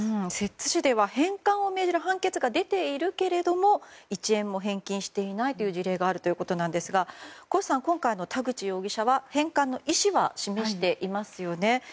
摂津市では返還を命じる判決が出ているけれども１円も返金していないという事例があるそうですが越さん、今回の田口容疑者は返還の意思は示していますよね。